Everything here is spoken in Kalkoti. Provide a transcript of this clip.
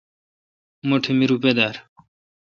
مٹھ می روپہ دار۔